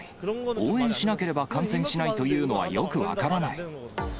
応援しなければ感染しないというのはよく分からない。